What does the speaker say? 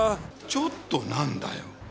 ちょっとなんだよ？